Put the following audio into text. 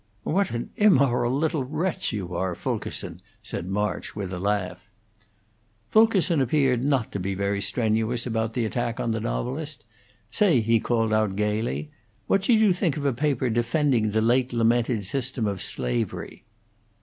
"What an immoral little wretch you are, Fulkerson!" said March, with a laugh. Fulkerson appeared not to be very strenuous about the attack on the novelist. "Say!" he called out, gayly, "what should you think of a paper defending the late lamented system of slavery'?"